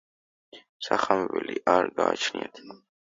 სახამებელი არ გააჩნიათ.